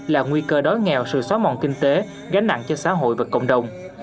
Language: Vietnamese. là nguy cơ đói nghèo sự xóa mòn kinh tế gánh nặng cho xã hội và cộng đồng